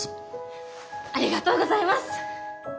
ありがとうございます。